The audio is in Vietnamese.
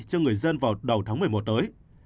cho người dân vào đầu tháng một mươi một tới